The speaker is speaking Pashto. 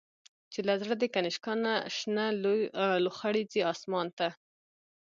چی له زړه د”کنشکا”نه، شنی لو خړی ځی آسمان ته